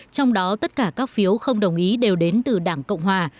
trong đó tất cả các phiếu không đồng ý đều đến từ đảng cộng hòa